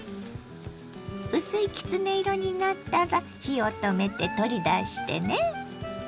薄いきつね色になったら火を止めて取り出してね。